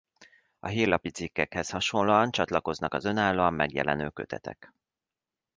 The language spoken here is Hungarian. A hírlapi cikkekhez szorosan csatlakoznak az önállóan megjelenő kötetek.